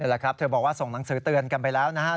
แหละครับเธอบอกว่าส่งหนังสือเตือนกันไปแล้วนะครับ